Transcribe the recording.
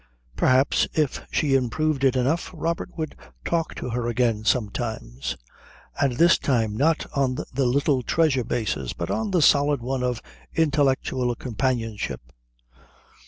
Perhaps if she improved it enough Robert would talk to her again sometimes, and this time not on the Little Treasure basis but on the solid one of intellectual companionship.